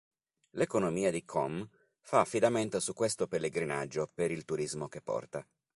L'economia di Qom fa affidamento su questo pellegrinaggio per il turismo che porta.